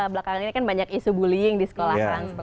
belakangan ini kan banyak isu bullying di sekolah transport